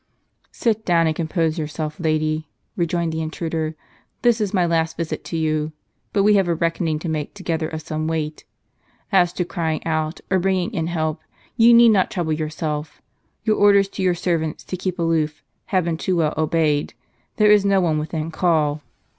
"Sit down and compose yourself, lady," rejoined the intruder; "this is my last visit to you; but we have a reck oning to make together of some weight. As to crying out, or bringing in help, you need not trouble yourself; your orders to your servants to keep aloof, have been too well obeyed. There is no one within call."